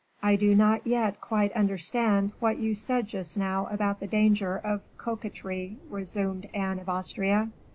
"I do not yet quite understand what you said just now about the danger of coquetry," resumed Anne of Austria.